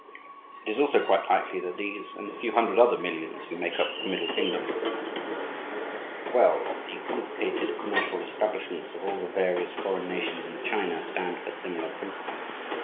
It is also quite likely that these and the few hundred other millions who make up "the Middle Kingdom" know perfectly well, that the complicated commercial establishments of all the various foreign nations in China stand for similar principles.